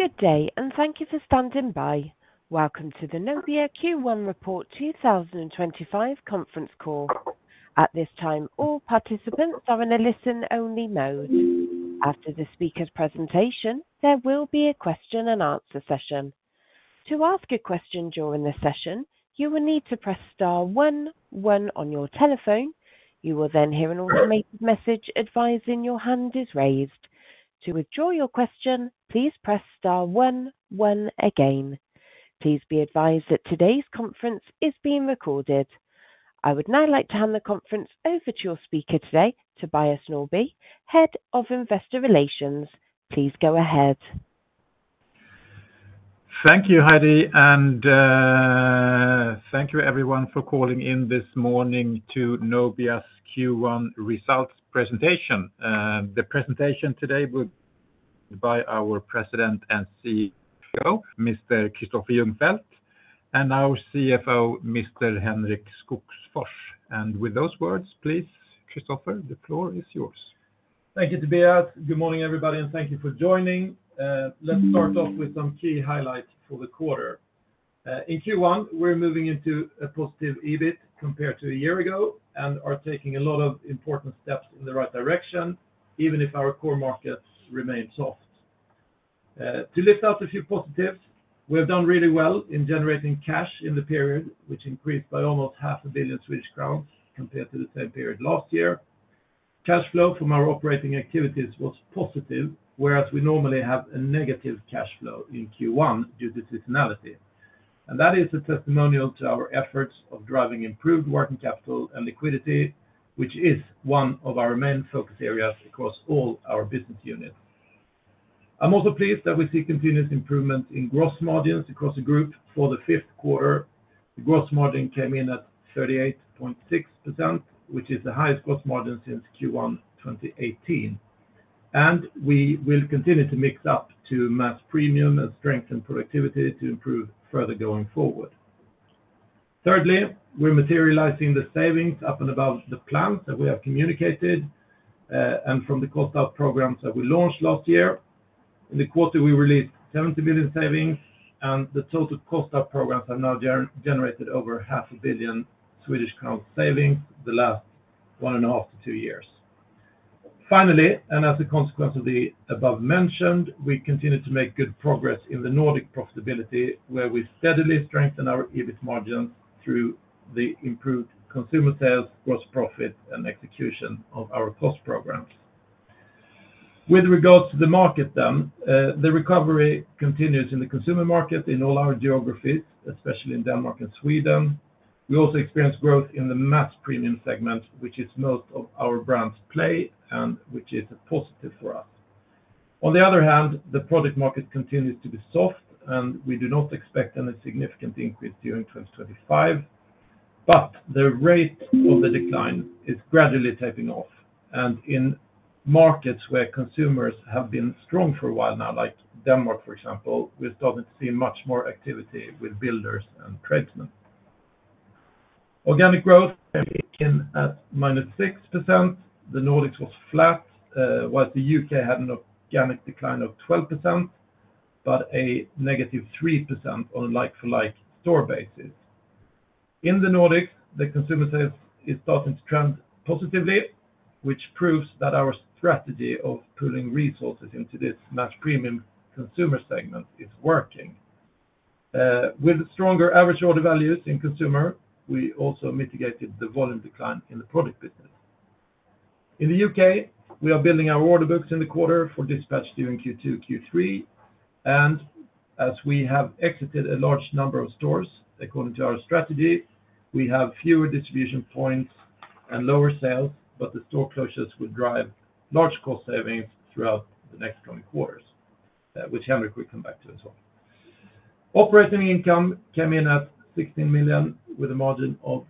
Good day, and thank you for standing by. Welcome to the Nobia Q1 Report 2025 conference call. At this time, all participants are in a listen-only mode. After the speaker's presentation, there will be a question-and-answer session. To ask a question during the session, you will need to press star one, one on your telephone. You will then hear an automated message advising your hand is raised. To withdraw your question, please press star one, one again. Please be advised that today's conference is being recorded. I would now like to hand the conference over to your speaker today, Tobias Norrby, Head of Investor Relations. Please go ahead. Thank you, Heidi, and thank you everyone for calling in this morning to Nobia's Q1 results presentation. The presentation today will be by our President and CEO, Mr. Kristoffer Ljungfelt, and our CFO, Mr. Henrik Skogsfors. With those words, please, Kristoffer, the floor is yours. Thank you, Tobias. Good morning, everybody, and thank you for joining. Let's start off with some key highlights for the quarter. In Q1, we're moving into a positive EBIT compared to a year ago and are taking a lot of important steps in the right direction, even if our core markets remain soft. To lift out a few positives, we have done really well in generating cash in the period, which increased by almost 500 million Swedish crowns compared to the same period last year. Cash flow from our operating activities was positive, whereas we normally have a negative cash flow in Q1 due to seasonality. That is a testimonial to our efforts of driving improved working capital and liquidity, which is one of our main focus areas across all our business units. I'm also pleased that we see continuous improvements in gross margins across the group for the fifth quarter. The gross margin came in at 38.6%, which is the highest gross margin since Q1 2018. We will continue to mix up to mass premium and strengthen productivity to improve further going forward. Thirdly, we're materializing the savings up and about the plans that we have communicated, and from the cost-out programs that we launched last year. In the quarter, we released 70 million savings, and the total cost-out programs have now generated over 500 million Swedish crown savings the last one and a half to two years. Finally, and as a consequence of the above mentioned, we continue to make good progress in the Nordic profitability, where we steadily strengthen our EBIT margins through the improved consumer sales, gross profit, and execution of our cost programs. With regards to the market, then, the recovery continues in the consumer market in all our geographies, especially in Denmark and Sweden. We also experience growth in the mass premium segment, which is most of our brands play, and which is a positive for us. On the other hand, the project market continues to be soft, and we do not expect any significant increase during 2025. The rate of the decline is gradually tapering off. In markets where consumers have been strong for a while now, like Denmark, for example, we're starting to see much more activity with builders and tradesmen. Organic growth came in at -6%. The Nordics was flat, while the U.K. had an organic decline of 12%, but a -3% on like-for-like store basis. In the Nordics, the consumer sales is starting to trend positively, which proves that our strategy of pulling resources into this mass premium consumer segment is working. With stronger average order values in consumer, we also mitigated the volume decline in the project business. In the U.K., we are building our order books in the quarter for dispatch during Q2, Q3. As we have exited a large number of stores, according to our strategy, we have fewer distribution points and lower sales, but the store closures will drive large cost savings throughout the next coming quarters, which Henrik will come back to as well. Operating income came in at 16 million with a margin of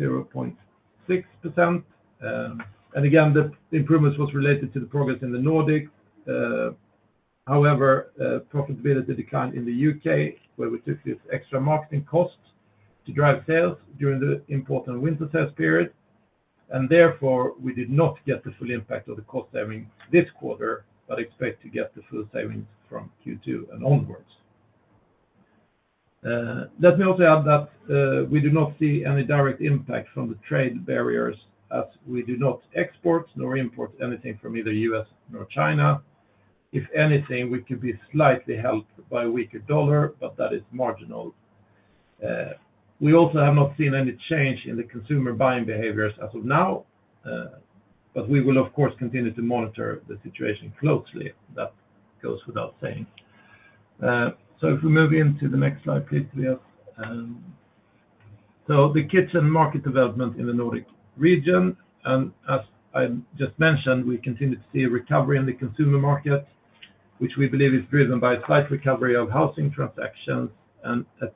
0.6%. Again, the improvements were related to the progress in the Nordics. However, profitability declined in the U.K., where we took this extra marketing cost to drive sales during the important winter sales period. Therefore, we did not get the full impact of the cost savings this quarter, but expect to get the full savings from Q2 and onwards. Let me also add that we do not see any direct impact from the trade barriers, as we do not export nor import anything from either the U.S. nor China. If anything, we could be slightly helped by a weaker dollar, but that is marginal. We also have not seen any change in the consumer buying behaviors as of now, but we will, of course, continue to monitor the situation closely. That goes without saying. If we move into the next slide, please, Tobias. The kitchen market development in the Nordic region, and as I just mentioned, we continue to see a recovery in the consumer market, which we believe is driven by a slight recovery of housing transactions and a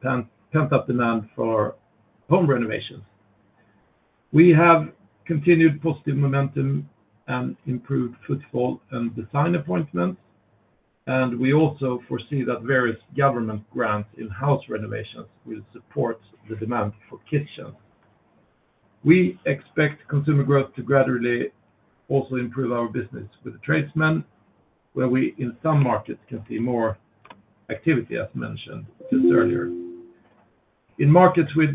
pent-up demand for home renovations. We have continued positive momentum and improved footfall and design appointments. We also foresee that various government grants in house renovations will support the demand for kitchens. We expect consumer growth to gradually also improve our business with the tradesmen, where we in some markets can see more activity, as mentioned just earlier. In markets with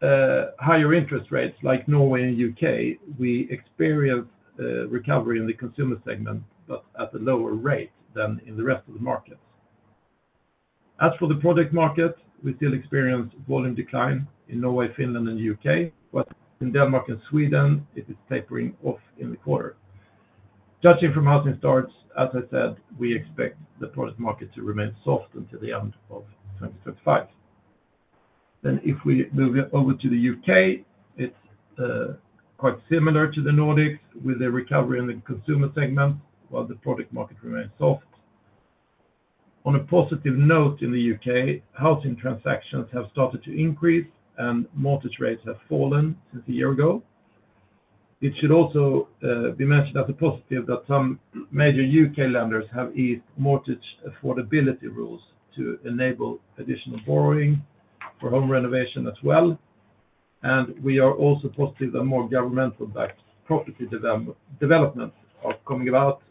higher interest rates like Norway and the U.K., we experienced recovery in the consumer segment, but at a lower rate than in the rest of the markets. As for the project market, we still experience volume decline in Norway, Finland, and the U.K., but in Denmark and Sweden, it is tapering off in the quarter. Judging from housing starts, as I said, we expect the project market to remain soft until the end of 2025. If we move over to the U.K., it is quite similar to the Nordics with a recovery in the consumer segment while the project market remains soft. On a positive note in the U.K., housing transactions have started to increase, and mortgage rates have fallen since a year ago. It should also be mentioned as a positive that some major U.K. lenders have eased mortgage affordability rules to enable additional borrowing for home renovation as well. We are also positive that more governmental-based property developments are coming about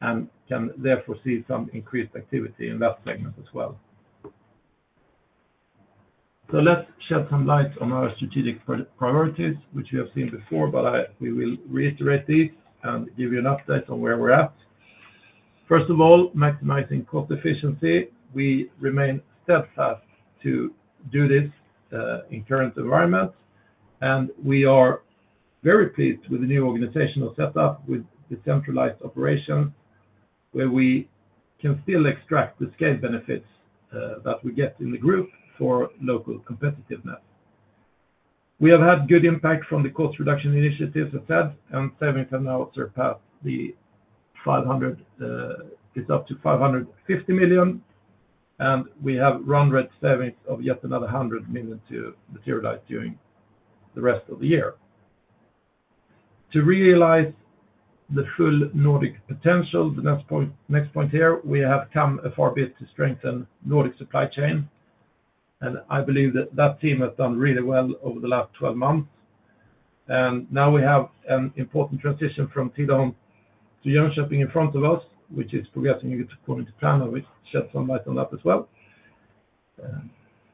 and can therefore see some increased activity in that segment as well. Let's shed some light on our strategic priorities, which we have seen before, but I will reiterate these and give you an update on where we're at. First of all, maximizing cost efficiency. We remain steadfast to do this in current environments. We are very pleased with the new organizational setup with decentralized operations, where we can still extract the scale benefits that we get in the group for local competitiveness. We have had good impact from the cost reduction initiatives, as said, and savings have now surpassed 500 million, it's up to 550 million. We have rounded savings of yet another 100 million to materialize during the rest of the year. To realize the full Nordic potential, the next point here, we have come a far bit to strengthen Nordic supply chains. I believe that that team has done really well over the last 12 months. Now we have an important transition from Tidaholm to Jönköping in front of us, which is progressing according to plan, and we shed some light on that as well.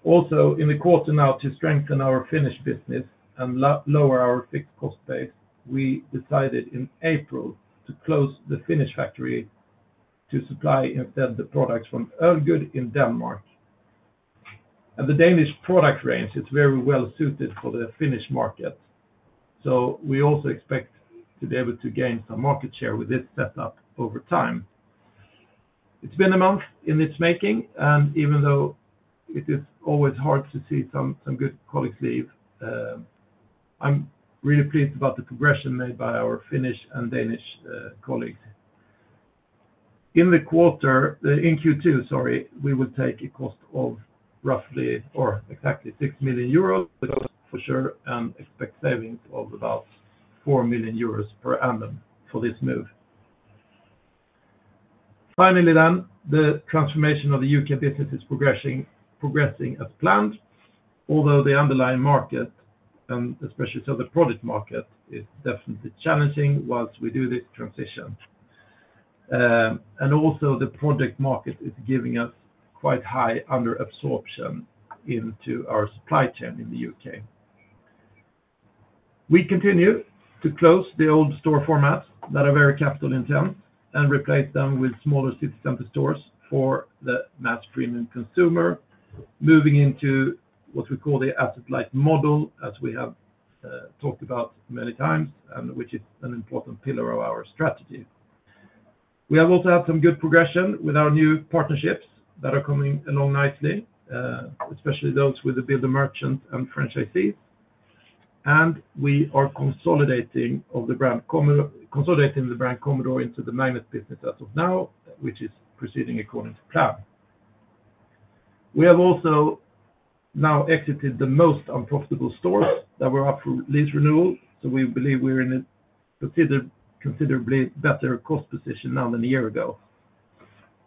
Also, in the quarter now, to strengthen our Finnish business and lower our fixed cost base, we decided in April to close the Finnish factory to supply instead the products from Ølgod in Denmark. The Danish product range is very well suited for the Finnish market. We also expect to be able to gain some market share with this setup over time. It has been a month in its making, and even though it is always hard to see some good colleagues leave, I am really pleased about the progression made by our Finnish and Danish colleagues. In the quarter, in Q2, sorry, we will take a cost of roughly, or exactly 6 million euros, for sure, and expect savings of about 4 million euros per annum for this move. Finally, the transformation of the U.K. business is progressing, progressing as planned, although the underlying market, and especially so the project market, is definitely challenging whilst we do this transition. The project market is giving us quite high under-absorption into our supply chain in the U.K. We continue to close the old store formats that are very capital-intensive and replace them with smaller city center stores for the mass premium consumer, moving into what we call the asset-light model, as we have talked about many times, and which is an important pillar of our strategy. We have also had some good progression with our new partnerships that are coming along nicely, especially those with the builder merchants and franchisees. We are consolidating the brand Commodore into the Magnet business as of now, which is proceeding according to plan. We have also now exited the most unprofitable stores that were up for lease renewal, so we believe we're in a considerably better cost position now than a year ago.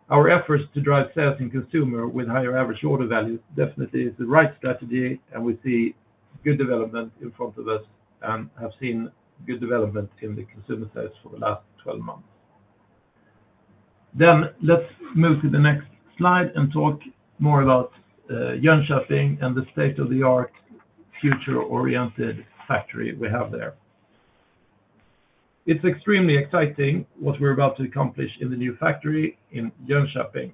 Our efforts to drive sales and consumer with higher average order values definitely is the right strategy, and we see good development in front of us and have seen good development in the consumer sales for the last 12 months. Let's move to the next slide and talk more about Jönköping and the state-of-the-art future-oriented factory we have there. It's extremely exciting what we're about to accomplish in the new factory in Jönköping.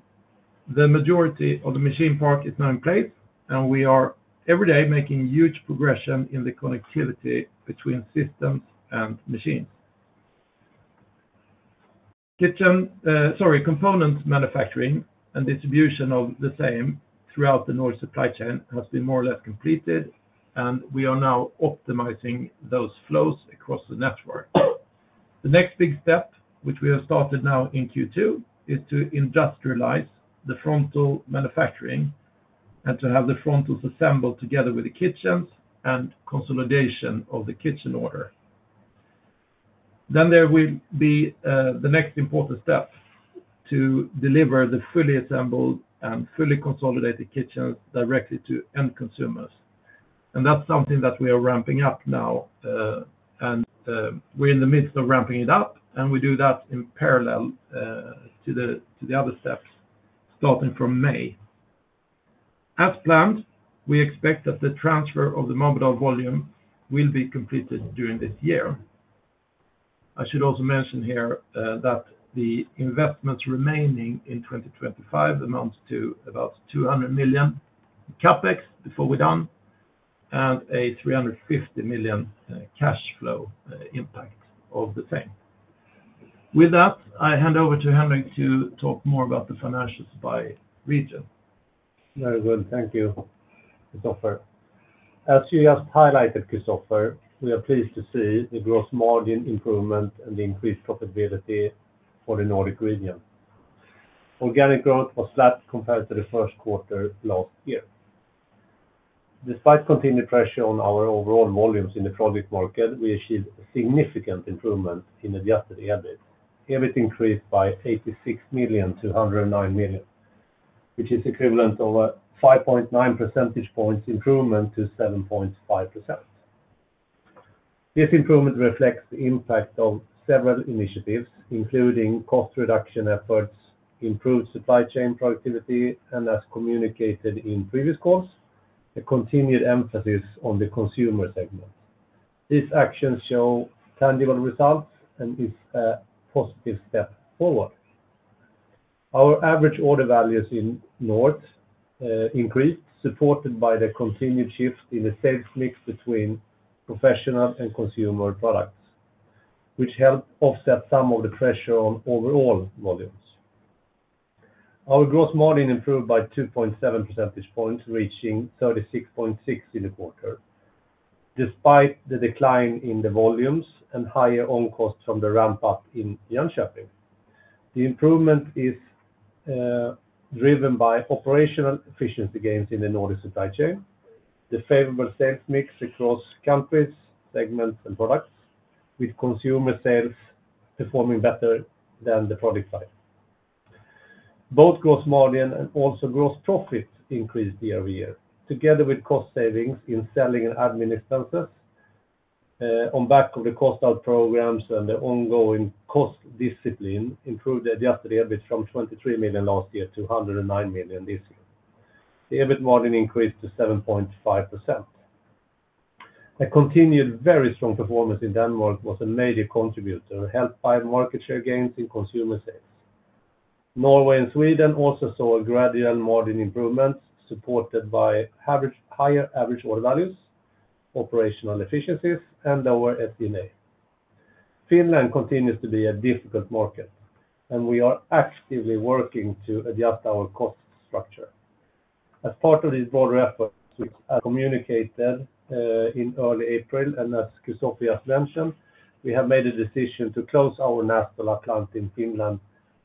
The majority of the machine park is now in place, and we are every day making huge progression in the connectivity between systems and machines. Kitchen, sorry, component manufacturing and distribution of the same throughout the Nordic supply chain has been more or less completed, and we are now optimizing those flows across the network. The next big step, which we have started now in Q2, is to industrialize the frontal manufacturing and to have the frontals assembled together with the kitchens and consolidation of the kitchen order. There will be the next important step to deliver the fully assembled and fully consolidated kitchens directly to end consumers. That's something that we are ramping up now, and we're in the midst of ramping it up, and we do that in parallel to the other steps starting from May. As planned, we expect that the transfer of the Marbodal volume will be completed during this year. I should also mention here that the investments remaining in 2025 amount to about 200 million CapEx before we're done and a 350 million cash flow impact of the same. With that, I hand over to Henrik to talk more about the financials by region. Very good. Thank you, Kristoffer. As you just highlighted, Kristoffer, we are pleased to see the gross margin improvement and the increased profitability for the Nordic region. Organic growth was flat compared to the first quarter last year. Despite continued pressure on our overall volumes in the project market, we achieved a significant improvement in the group EBIT. EBIT increased by 86 million-109 million, which is equivalent of a 5.9 percentage points improvement to 7.5%. This improvement reflects the impact of several initiatives, including cost reduction efforts, improved supply chain productivity, and, as communicated in previous calls, a continued emphasis on the consumer segment. These actions show tangible results and is a positive step forward. Our average order values in Nordics, increased, supported by the continued shift in the sales mix between professional and consumer products, which helped offset some of the pressure on overall volumes. Our gross margin improved by 2.7 percentage points, reaching 36.6% in the quarter. Despite the decline in the volumes and higher on-cost from the ramp-up in Jönköping, the improvement is, driven by operational efficiency gains in the Nordic supply chain, the favorable sales mix across countries, segments, and products, with consumer sales performing better than the product side. Both gross margin and also gross profit increased year over year, together with cost savings in selling and admin expenses. On back of the cost-out programs and the ongoing cost discipline, improved the adjusted EBIT from 23 million last year to 109 million this year. The EBIT margin increased to 7.5%. A continued very strong performance in Denmark was a major contributor, helped by market share gains in consumer sales. Norway and Sweden also saw a gradual margin improvement supported by higher average order values, operational efficiencies, and lower S&A. Finland continues to be a difficult market, and we are actively working to adjust our cost structure. As part of these broader efforts, which I communicated in early April, and as Kristoffer just mentioned, we have made a decision to close our Nastola plant in Finland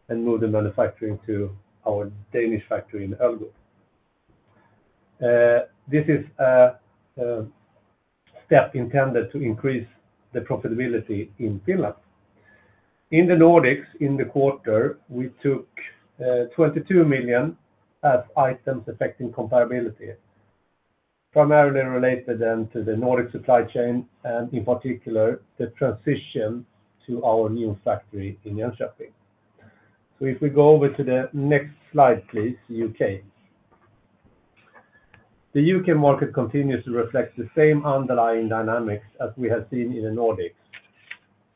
and move the manufacturing to our Danish factory in Ølgod. This is a step intended to increase the profitability in Finland. In the Nordics, in the quarter, we took 22 million as items affecting comparability, primarily related then to the Nordic supply chain and, in particular, the transition to our new factory in Jönköping. If we go over to the next slide, please, U.K. The U.K. market continues to reflect the same underlying dynamics as we have seen in the Nordics.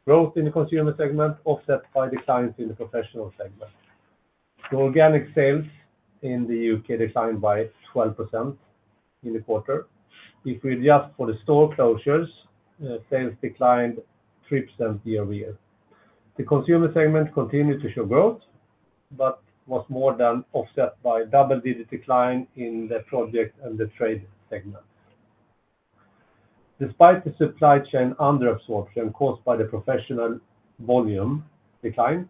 Growth in the consumer segment offset by declines in the professional segment. The organic sales in the U.K. declined by 12% in the quarter. If we adjust for the store closures, sales declined 3% year over year. The consumer segment continued to show growth, but was more than offset by double-digit decline in the project and the trade segment. Despite the supply chain under-absorption caused by the professional volume decline,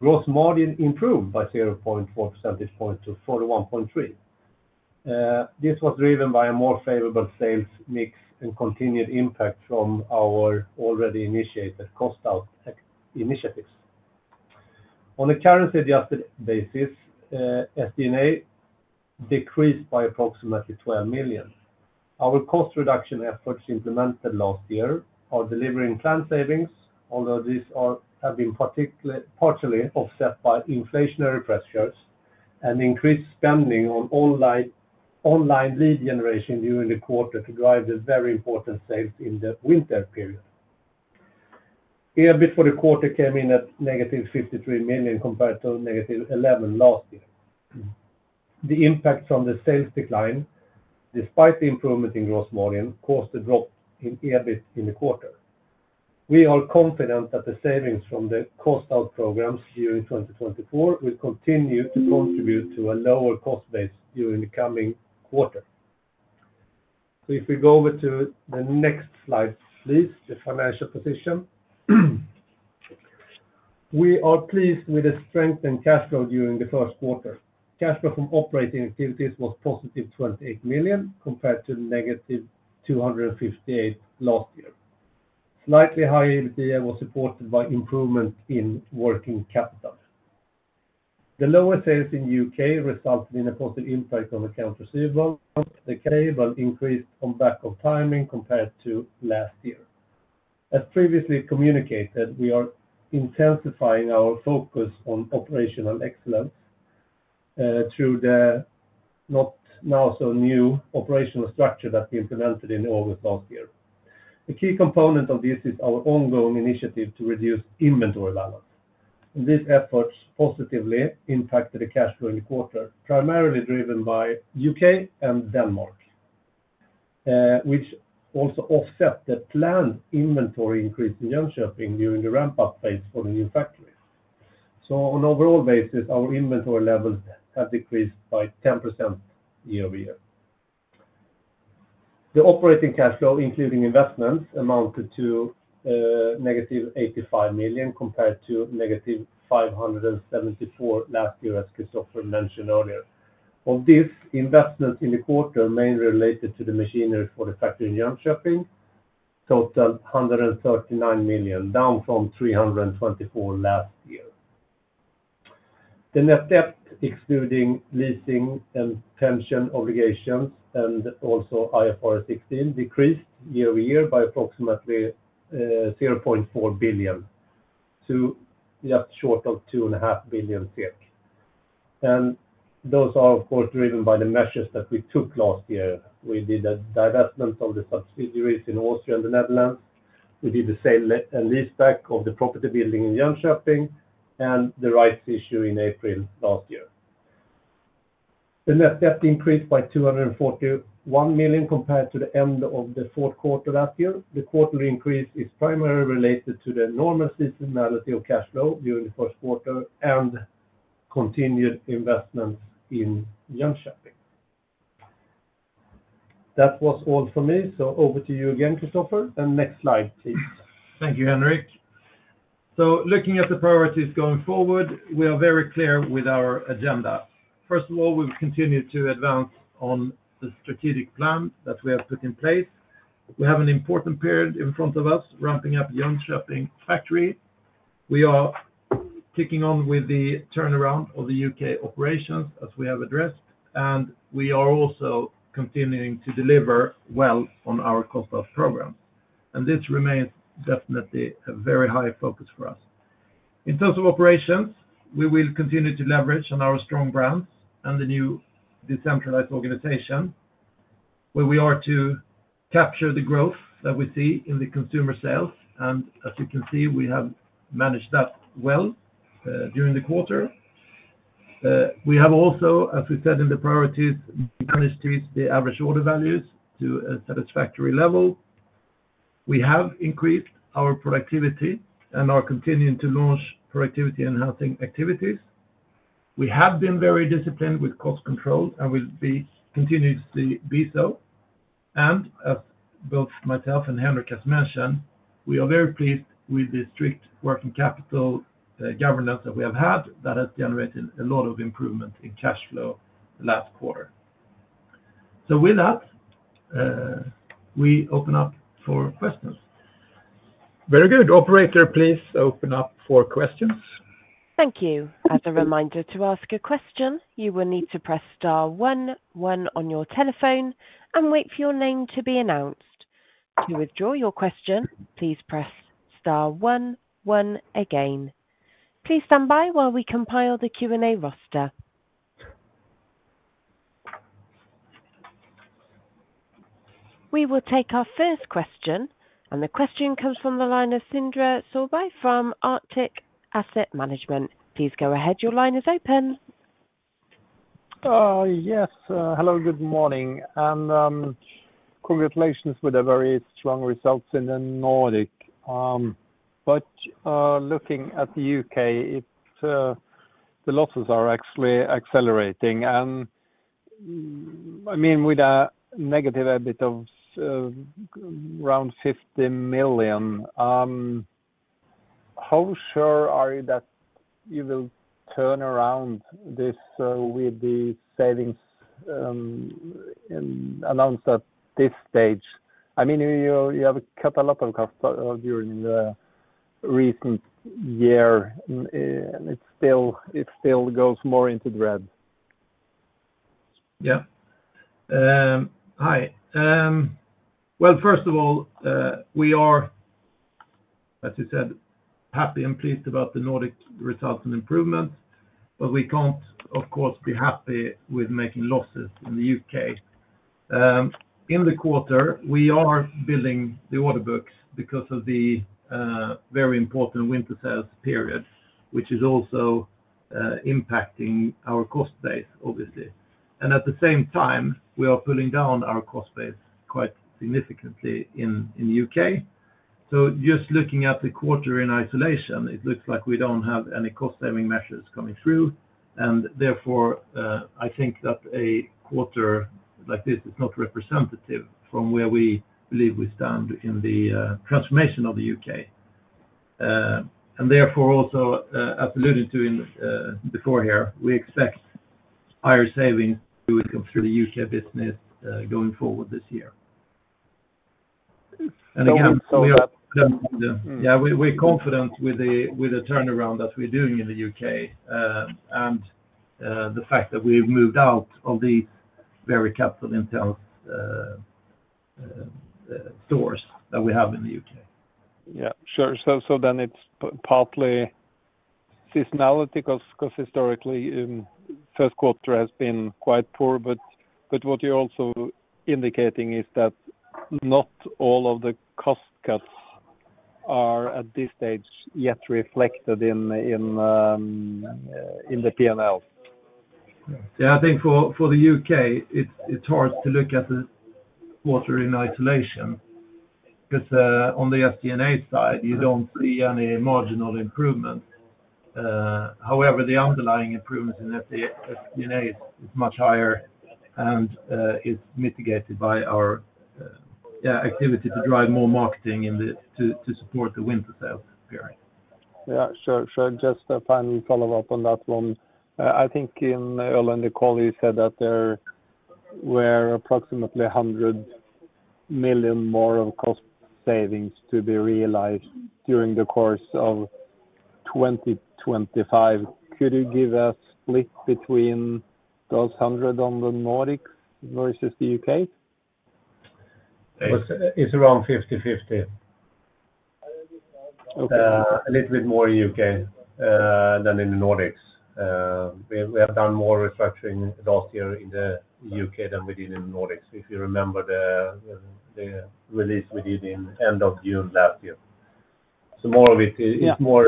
gross margin improved by 0.4 percentage points to 41.3%. This was driven by a more favorable sales mix and continued impact from our already initiated cost-out initiatives. On a currency-adjusted basis, S&A decreased by approximately 12 million. Our cost reduction efforts implemented last year are delivering planned savings, although these have been partially offset by inflationary pressures and increased spending on online lead generation during the quarter to drive the very important sales in the winter period. EBIT for the quarter came in at negative 53 million compared to negative 11 million last year. The impact from the sales decline, despite the improvement in gross margin, caused a drop in EBIT in the quarter. We are confident that the savings from the cost-out programs during 2024 will continue to contribute to a lower cost base during the coming quarter. If we go over to the next slide, please, the financial position. We are pleased with the strengthened cash flow during the first quarter. Cash flow from operating activities was +28 million compared to -258 million last year. Slightly higher EBITDA was supported by improvement in working capital. The lower sales in the U.K. resulted in a positive impact on accounts receivable. The payable increased on back of timing compared to last year. As previously communicated, we are intensifying our focus on operational excellence, through the not now so new operational structure that we implemented in August last year. A key component of this is our ongoing initiative to reduce inventory balance. These efforts positively impacted the cash flow in the quarter, primarily driven by the U.K. and Denmark, which also offset the planned inventory increase in Jönköping during the ramp-up phase for the new factory. On an overall basis, our inventory levels have decreased by 10% year over year. The operating cash flow, including investments, amounted to -85 million compared to -574 million last year, as Kristoffer mentioned earlier. Of this, investments in the quarter mainly related to the machinery for the factory in Jönköping totaled 139 million, down from 324 million last year. The net debt, excluding leasing and pension obligations, and also IFRS 16, decreased year over year by approximately 0.4 billion to just short of 2.5 billion. Those are, of course, driven by the measures that we took last year. We did a divestment of the subsidiaries in Austria and the Netherlands. We did the sale and lease back of the property building in Jönköping and the rights issue in April last year. The net debt increased by 241 million compared to the end of the fourth quarter last year. The quarterly increase is primarily related to the normal seasonality of cash flow during the first quarter and continued investments in Jönköping. That was all for me. Over to you again, Kristoffer. Next slide, please. Thank you, Henrik. Looking at the priorities going forward, we are very clear with our agenda. First of all, we will continue to advance on the strategic plan that we have put in place. We have an important period in front of us, ramping up Jönköping factory. We are ticking on with the turnaround of the U.K. operations, as we have addressed, and we are also continuing to deliver well on our cost-out programs. This remains definitely a very high focus for us. In terms of operations, we will continue to leverage on our strong brands and the new decentralized organization, where we are to capture the growth that we see in the consumer sales. As you can see, we have managed that well, during the quarter. We have also, as we said in the priorities, managed to reach the average order values to a satisfactory level. We have increased our productivity and are continuing to launch productivity-enhancing activities. We have been very disciplined with cost controls and will continue to be so. As both myself and Henrik have mentioned, we are very pleased with the strict working capital governance that we have had that has generated a lot of improvement in cash flow the last quarter. With that, we open up for questions. Very good. Operator, please open up for questions. Thank you. As a reminder to ask a question, you will need to press star one, one on your telephone and wait for your name to be announced. To withdraw your question, please press star one, one again. Please stand by while we compile the Q&A roster. We will take our first question, and the question comes from the line of Sindre Sørbye from Arctic Asset Management. Please go ahead. Your line is open. Yes. Hello, good morning. Congratulations with the very strong results in the Nordic. However, looking at the U.K., the losses are actually accelerating. I mean, with a negative EBIT of around 50 million, how sure are you that you will turn around this with the savings announced at this stage? I mean, you have cut a lot of customers during the recent year, and it still goes more into the red. Yeah. Hi. First of all, we are, as you said, happy and pleased about the Nordic results and improvements, but we cannot, of course, be happy with making losses in the U.K. In the quarter, we are building the order books because of the very important winter sales period, which is also impacting our cost base, obviously. At the same time, we are pulling down our cost base quite significantly in the U.K. Just looking at the quarter in isolation, it looks like we do not have any cost-saving measures coming through. Therefore, I think that a quarter like this is not representative of where we believe we stand in the transformation of the U.K. As alluded to before here, we expect higher savings to come through the U.K. business going forward this year. Again, we are confident with the turnaround that we are doing in the U.K., and the fact that we have moved out of these very capital-intense stores that we have in the U.K. Yeah, sure. Then it is partly seasonality because, historically, first quarter has been quite poor. What you're also indicating is that not all of the cost cuts are at this stage yet reflected in the P&L. I think for the U.K., it's hard to look at the quarter in isolation because, on the SG&A side, you don't see any marginal improvement. However, the underlying improvements in SG&A are much higher and are mitigated by our activity to drive more marketing to support the winter sales period. Yeah, sure, sure. Just a final follow-up on that one. I think earlier, the colleague said that there were approximately 100 million more of cost savings to be realized during the course of 2025. Could you give a split between those 100 on the Nordics versus the U.K.? It's around 50/50. Okay, a little bit more in the U.K. than in the Nordics. We have done more restructuring last year in the U.K. than we did in the Nordics, if you remember the release we did in the end of June last year. More of it is more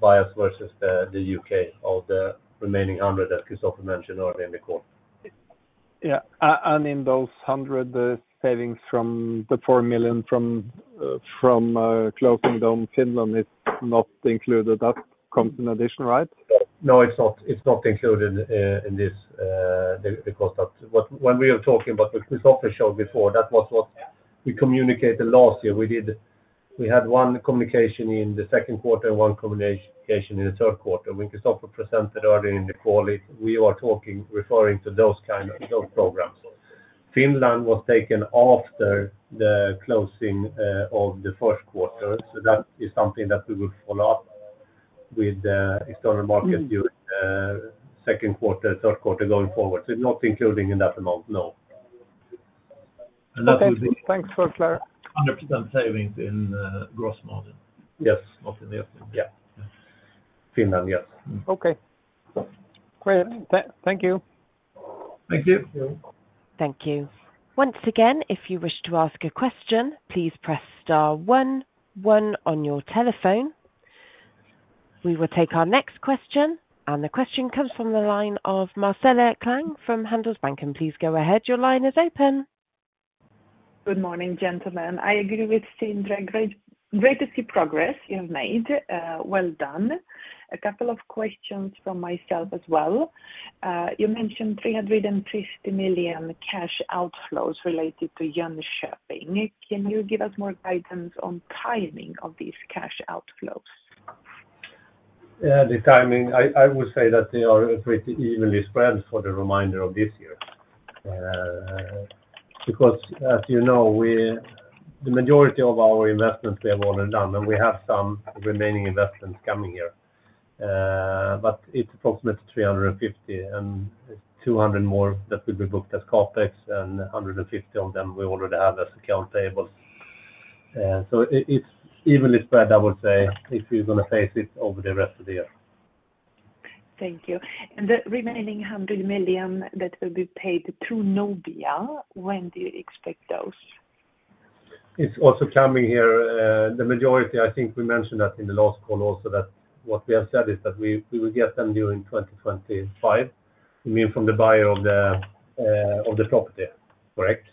bias versus the U.K. of the remaining 100, as Kristoffer mentioned earlier in the quarter. In those 100, the savings from the 4 million from closing down Finland is not included. That comes in addition, right? No, it is not included in this. The cost that, when we were talking about what Kristoffer showed before, that was what we communicated last year. We had one communication in the second quarter and one communication in the third quarter. When Kristoffer presented earlier in the quarter, we were referring to those programs. Finland was taken after the closing of the first quarter. That is something that we will follow up with the external markets during second quarter, third quarter going forward. Not including in that amount, no. Okay. Thanks for clear. 100% savings in gross margin. Yes. Not in the estimate. Yeah. Finland, yes. Okay. Great. Thank you. Thank you. Thank you. Once again, if you wish to ask a question, please press star one, one on your telephone. We will take our next question. The question comes from the line of Marcela Klang from Handelsbanken. Please go ahead. Your line is open. Good morning, gentlemen. I agree with Sindre, great, great to see progress you've made. Well done. A couple of questions from myself as well. You mentioned 350 million cash outflows related to Jönköping. Can you give us more guidance on timing of these cash outflows? The timing, I would say that they are pretty evenly spread for the remainder of this year. Because, as you know, the majority of our investments we have already done, and we have some remaining investments coming here. It is approximately SEK 350 million, and it is 200 million more that will be booked as CapEx, and 150 million of them we already have as account payables. It is evenly spread, I would say, if you are going to phase it over the rest of the year. Thank you. The remaining 100 million that will be paid through Nobia, when do you expect those? It is also coming here. The majority, I think we mentioned that in the last call also, that what we have said is that we will get them during 2025. You mean from the buyer of the property, correct?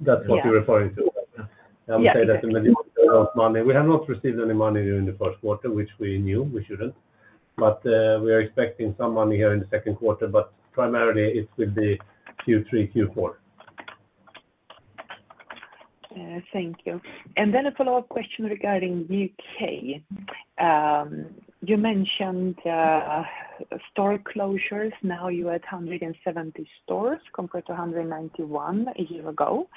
That is what you are referring to. I would say that the majority of that money, we have not received any money during the first quarter, which we knew we should not. We are expecting some money here in the second quarter, but primarily it will be Q3, Q4. Thank you. A follow-up question regarding the U.K. You mentioned store closures. Now you are at 170 stores compared to 191 a year ago.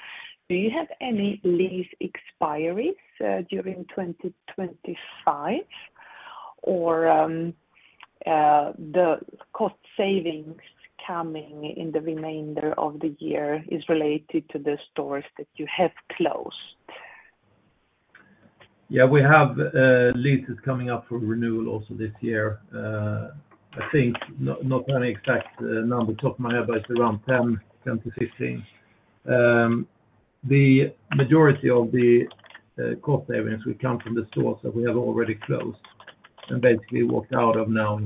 Do you have any lease expiries during 2025, or are the cost savings coming in the remainder of the year related to the stores that you have closed? Yeah, we have leases coming up for renewal also this year. I think, not an exact number off the top of my head, but it is around 10-15. The majority of the cost savings will come from the stores that we have already closed and basically walked out of now,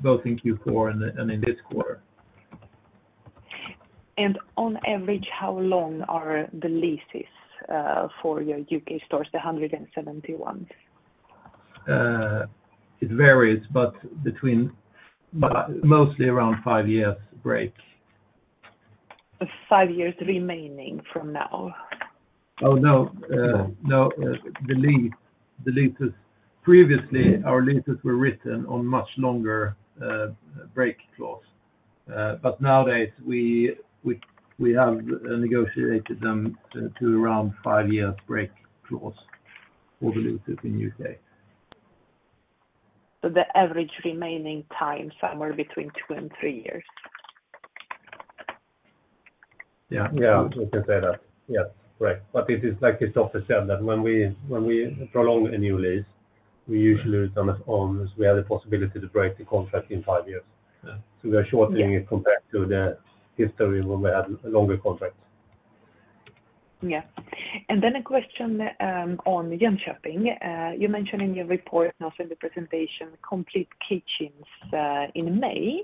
both in Q4 and in this quarter. On average, how long are the leases for your U.K. stores, the 171? It varies, but mostly around five years break. Five years remaining from now. Oh, no. No, the leases, previously, our leases were written on much longer break clause. Nowadays we have negotiated them to around five years break clause for the leases in the U.K. The average remaining time is somewhere between two and three years. Yeah, I was going to say that. Yes, correct. It is like Kristoffer said, that when we prolong a new lease, we usually return it on as we have the possibility to break the contract in five years. We are shortening it compared to the history when we had longer contracts. Yeah. A question on Jönköping. You mentioned in your report, also in the presentation, complete kitchens in May.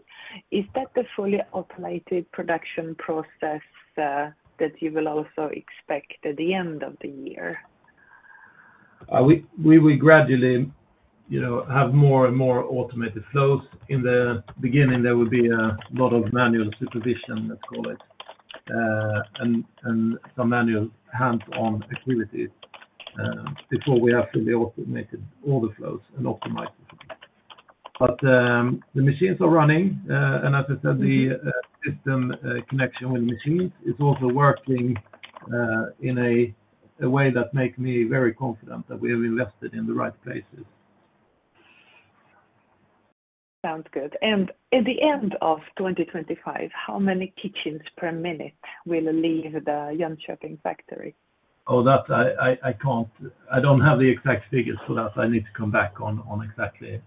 Is that the fully automated production process that you will also expect at the end of the year? We gradually, you know, have more and more automated flows. In the beginning, there would be a lot of manual supervision, let's call it, and some manual hands-on activities before we have fully automated all the flows and optimized the flows. The machines are running. As I said, the system connection with the machines is also working in a way that makes me very confident that we have invested in the right places. Sounds good. At the end of 2025, how many kitchens per minute will leave the Jönköping factory? Oh, I can't, I don't have the exact figures for that. I need to come back on exactly,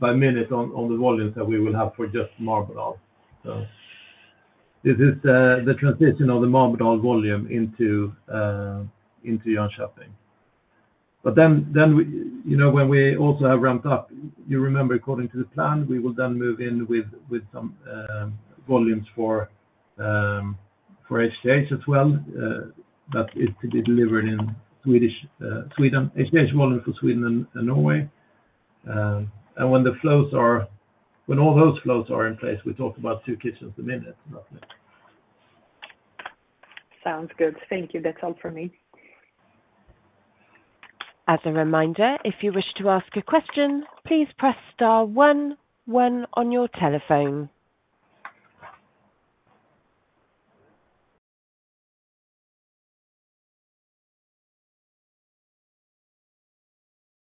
by minute, on the volumes that we will have for just Marbodal. This is the transition of the Marbodal volume into Jönköping. You know, when we also have ramped up, you remember, according to the plan, we will then move in with some volumes for HTH as well. That is to be delivered in Sweden, HTH volume for Sweden and Norway. When all those flows are in place, we talk about two kitchens a minute, nothing. Sounds good. Thank you. That's all for me. As a reminder, if you wish to ask a question, please press star one, one on your telephone.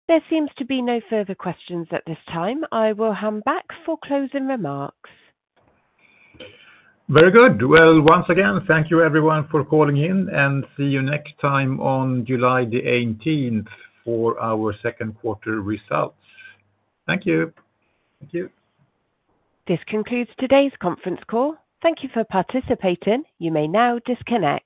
There seems to be no further questions at this time. I will hand back for closing remarks. Very good. Once again, thank you everyone for calling in, and see you next time on July the 18th for our second quarter results. Thank you. Thank you. This concludes today's conference call. Thank you for participating. You may now disconnect.